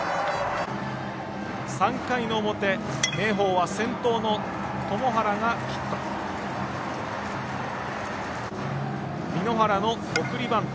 ３回の表、明豊は先頭の塘原がヒット。